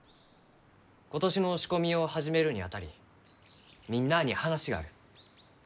今年の仕込みを始めるにあたりみんなあに話がある。